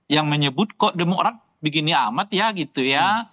yang menyebut kok demokrat begini amat ya gitu ya